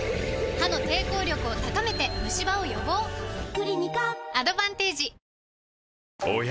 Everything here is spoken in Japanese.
クリニカアドバンテージおや？